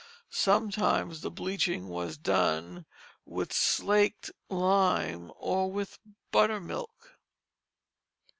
Sometimes the bleaching was done with slaked lime or with buttermilk.